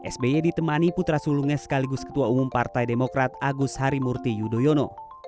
sby ditemani putra sulungnya sekaligus ketua umum partai demokrat agus harimurti yudhoyono